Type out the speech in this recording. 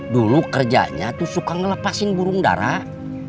dulu kerjanya tuh suka ngelepasin burung darah